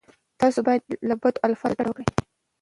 تاسې باید له بدو الفاظو ډډه وکړئ.